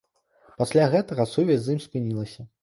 Пасля гэтага сувязь з ім спынілася.